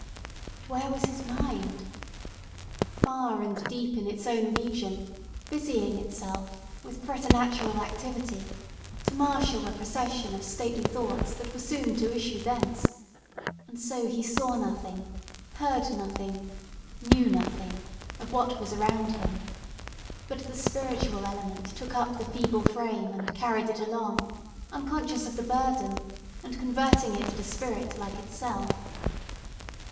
But where was his mind? Far and deep in its own region, busying itself, with preternatural activity, to marshal a procession of stately thoughts that were soon to issue thence; and so he saw nothing, heard nothing, knew nothing of what was around him; but the spiritual element took up the feeble frame and carried it along, unconscious of the burden, and converting it to spirit like itself.